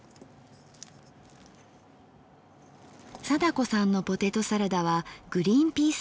貞子さんのポテトサラダはグリンピース入り。